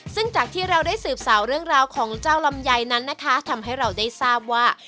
ซึ่งจากที่เราได้สืบสาวเรื่องราวของเจ้าลำไยนั้นนะคะทำให้เราได้ทราบว่า